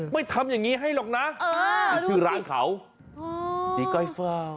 ไม่ทำอย่างนี้ให้หรอกนะชื่อร้านเขาตีก้อยเฝ้า